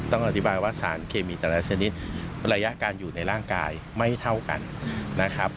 ต้องอธิบายว่าสารเคมีแต่ละชนิดระยะการอยู่ในร่างกายไม่เท่ากันนะครับ